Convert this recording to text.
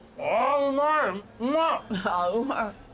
うまい。